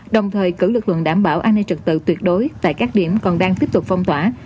đồng thời cử lực lượng đảm bảo an ninh trật tự tuyệt đối tại các điểm còn đang tiếp tục phong tỏa